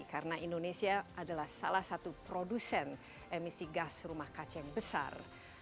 karena indonesia adalah salah satu produsen emisi gas rumah kaca yang besar